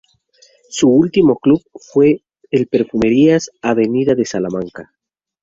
Su último club fue el Perfumerías Avenida de Salamanca.